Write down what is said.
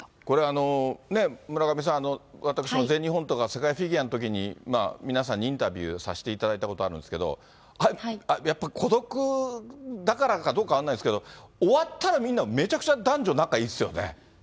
これ、村上さん、私も全日本とか世界フィギュアのときに皆さんにインタビューさせていただいたことあるんですけど、やっぱ孤独だからかどうか分かんないんですけど、終わったら、みんな、めちゃくちゃ男女仲いいですよね。